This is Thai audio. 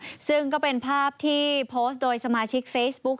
ซึ่งก็เป็นภาพที่โพสต์โดยสมาชิกเฟซบุ๊ก